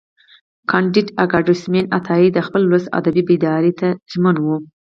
کانديد اکاډميسن عطایي د خپل ولس ادبي بیداري ته ژمن و.